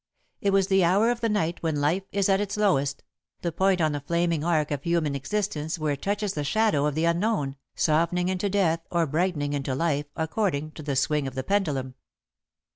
It was the hour of the night when life is at its lowest, the point on the flaming arc of human existence where it touches the shadow of the unknown, softening into death or brightening into life according to the swing of the pendulum.